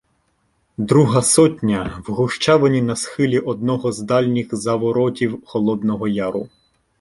Друга сотня — в гущавині на схилі одного з дальніх заворотів Холодного яру.